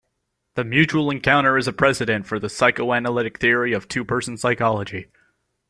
The mutual encounter is a precedent for the psychoanalytic theory of two-person psychology.